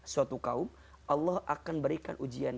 suatu kaum allah akan berikan ujian